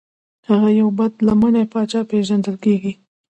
هغه یو بد لمنی پاچا پیژندل کیږي.